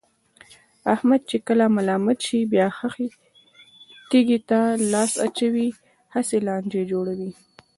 احمد چې کله ملامت شي، بیا خښې تیګې ته لاس اچوي، هسې لانجې جوړوي.